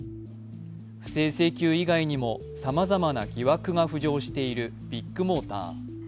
不正請求以外にもさまざまな疑惑が浮上しているビッグモーター。